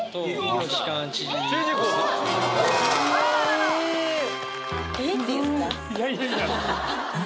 いやいやいや雪